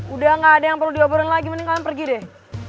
udah gak ada yang perlu dioborong lagi mending kalian pergi deh